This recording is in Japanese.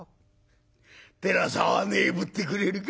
寺さ案内ぶってくれるか？」。